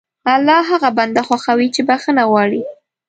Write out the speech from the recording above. الله هغه بنده خوښوي چې بښنه غواړي.